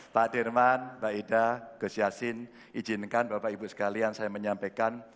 pak dirman mbak ida gus yassin izinkan bapak ibu sekalian saya menyampaikan